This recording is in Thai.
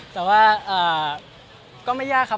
แต่ว่าก็ไม่ยากครับ